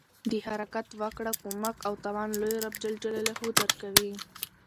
د حرکت وکړه، کومک او توان لوی رب ج درکوي.